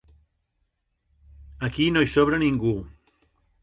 Aquí no hi sobra ningú.